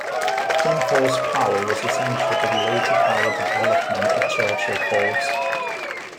Twin Falls power was essential to the later power development at Churchill Falls.